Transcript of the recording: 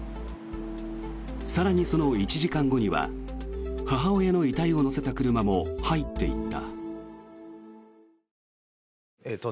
更にその１時間後には母親の遺体を乗せた車も入っていった。